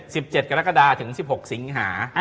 สิบเจ็ดกรกฎาถึงสิบหกสิงหา